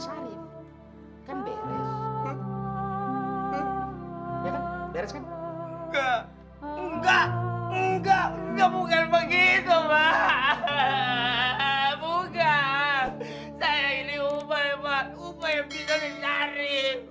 ubay yang bisa mencari